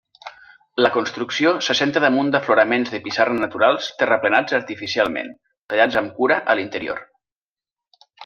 La construcció s'assenta damunt d'afloraments de pissarra naturals terraplenats artificialment, tallats amb cura a l'interior.